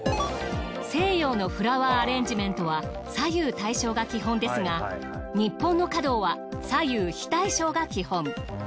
西洋のフラワーアレンジメントは左右対称が基本ですが日本の華道は左右非対称が基本。